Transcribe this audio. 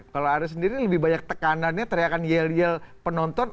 kalau arief sendiri lebih banyak tekanannya teriakan yell yell penonton